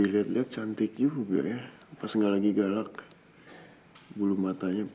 beneran belajar apa enggak